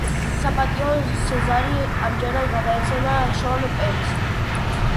საპატიო სეზარი ამჯერად გადაეცემა შონ პენს.